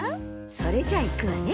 それじゃいくわね。